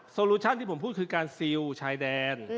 โลชั่นที่ผมพูดคือการซิลชายแดน